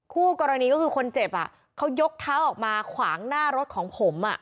คู่กรณีก็คือคนเจ็บเขายกเท้าออกมาขวางหน้ารถของผม